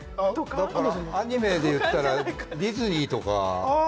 アニメで言ったらディズニーとか？